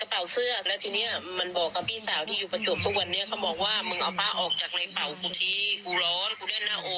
นั่นแหละก็เป็นอย่างนั้น